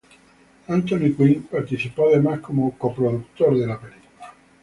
Anthony Quinn participó además como coproductor de la película.